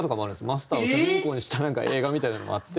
マスターを主人公にした映画みたいなのもあって。